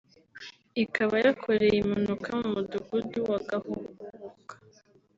ikaba yakoreye impanuka mu Mudugudu wa Gahurubuka